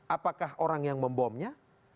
apakah orang yang membomnya